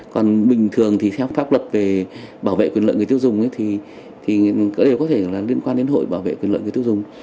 còn bình thường thì theo pháp luật về bảo vệ quyền lợi người tiêu dùng thì đều có thể là liên quan đến hội bảo vệ quyền lợi người tiêu dùng